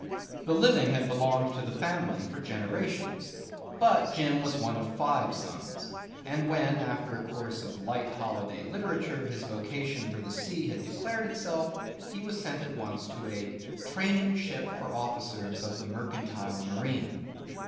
The living had belonged to the family for generations; but Jim was one of five sons, and when after a course of light holiday literature his vocation for the sea had declared itself, he was sent at once to a 'training ship for officers of the mercantile marine.